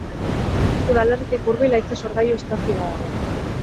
Udalerritik hurbil haize-sorgailu estazio bat dago.